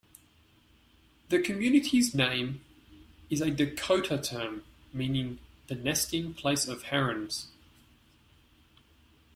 The community's name is a Dakota term meaning the nesting place of herons.